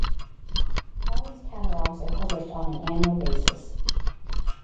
All these catalogues are published on an annual basis.